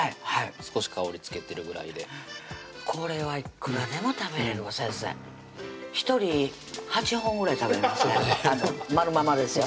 少し香りつけてるぐらいでこれはいくらでも食べれるわ先生１人８本ぐらい食べれますねまるままですよ